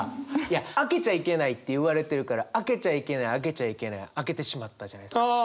開けちゃいけないって言われてるから開けちゃいけない開けちゃいけない開けてしまったじゃないですか。